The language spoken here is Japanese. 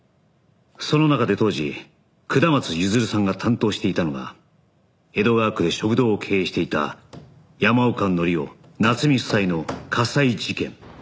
その中で当時下松譲さんが担当していたのが江戸川区で食堂を経営していた山岡紀夫夏美夫妻の火災事件